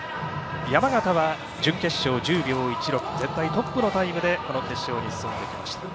山縣は準決勝、１０秒１６全体でトップのタイムで決勝に進んできました。